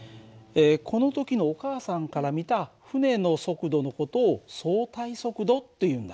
この時のお母さんから見た船の速度の事を相対速度っていうんだ。